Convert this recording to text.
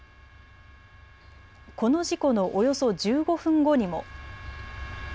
この事故のおよそ１５分後にも。